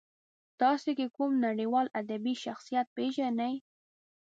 تاسې که کوم نړیوال ادبي شخصیت پېژنئ.